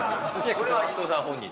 これは伊藤さん本人の。